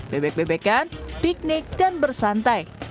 bebek bebekan piknik dan bersantai